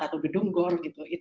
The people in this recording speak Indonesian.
atau gedung gor